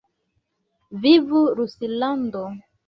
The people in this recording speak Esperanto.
Vivu Ruslando!